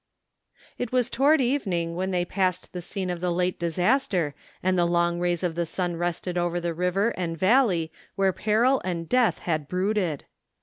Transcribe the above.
It was toward evening when they passed the scene of the late disaster and the long rays of the sun rested over the river and valley where peril and death had brooded.